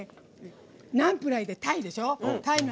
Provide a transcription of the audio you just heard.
ナムプラー、タイでしょ。